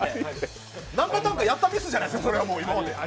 何パターンかやったミスじゃないですか！